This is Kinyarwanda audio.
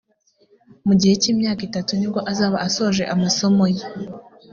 mu gihe cy imyaka itatu nibwo azaba asoje amasomo ye